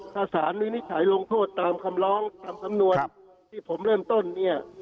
ถ้าสารวินิจฉัยลงโทษตามคำร้องตามสำนวนที่ผมเริ่มต้นเนี่ย